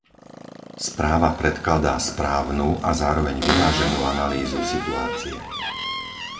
Správa predkladá správnu a zároveň vyváženú analýzu situácie.